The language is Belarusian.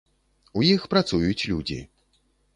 У іх працуюць людзі.